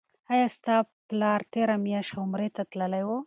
آیا ستا پلار تیره میاشت عمرې ته تللی و؟